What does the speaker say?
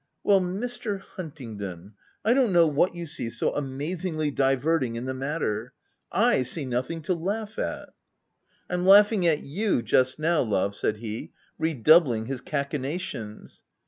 " Well, Mr. Huntingdon, I don't know what you see so amazingly diverting in the matter ;/ see nothing to laugh at.' 5 u I'm laughing at you, just now love," said he, redoubling his cachinnations.